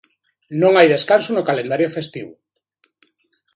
Non hai descanso no calendario festivo.